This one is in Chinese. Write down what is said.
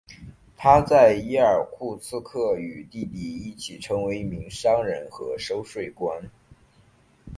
他在伊尔库茨克与弟弟一起成为一名商人和收税官。